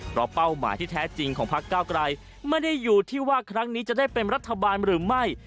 เพราะเป้าหมายที่แท้จริงของพักเก้าไกลไม่ได้อยู่ที่ว่าครั้งนี้จะได้เป็นรัฐบาลหรือไม่